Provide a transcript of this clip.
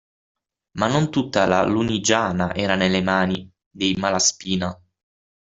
Ma non tutta la Lunigiana era nelle mani dei Malaspina.